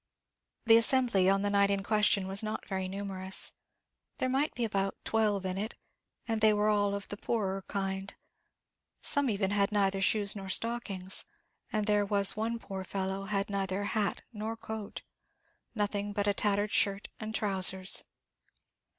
The assembly on the night in question was not very numerous; there might be about twelve in it, and they all were of the poorer kind; some even had neither shoes or stockings, and there was one poor fellow had neither hat nor coat, nothing but a tattered shirt and trousers.